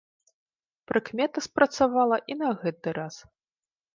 Прыкмета спрацавала і на гэты раз.